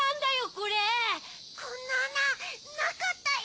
こんなあななかったよ。